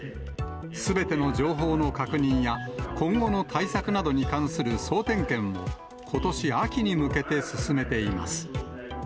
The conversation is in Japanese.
すべての情報の確認や今後の対策などに関する総点検を、ことし秋に向けて進めています。